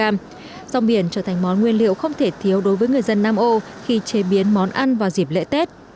rong biển trở thành món nguyên liệu không thể thiếu đối với người dân nam âu khi chế biến món ăn vào dịp lễ tết